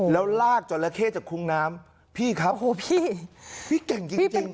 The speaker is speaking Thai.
แล้วลากจรเข้จากคลุมน้ำพี่ครับพี่แก่งจริง